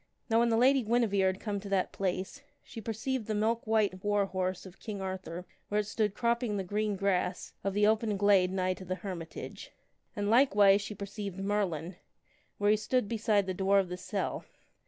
Now when the Lady Guinevere had come to that place, she perceived the milk white war horse of King Arthur where it stood cropping the green grass of the open glade nigh to the hermitage. And likewise she perceived Merlin, where he stood beside the door of the cell.